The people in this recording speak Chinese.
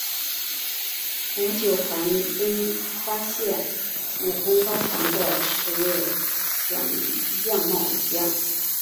古九寒更发现武功高强的石榴样貌一样。